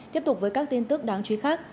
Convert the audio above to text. tiếp tục với các tin tức đáng chú ý khác